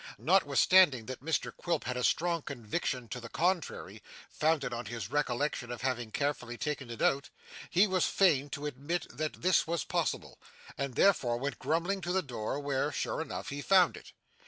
Notwithstanding that Mr Quilp had a strong conviction to the contrary, founded on his recollection of having carefully taken it out, he was fain to admit that this was possible, and therefore went grumbling to the door where, sure enough, he found it.